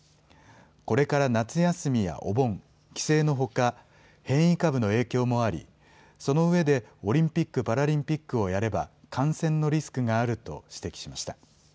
これから夏休みやお盆、帰省のほか変異株の影響もありそのうえでオリンピック・パラリンピックをやれば感染のリスクがあると指摘しました。